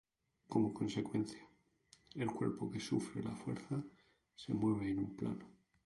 Como consecuencia, el cuerpo que sufre la fuerza se mueve en un plano.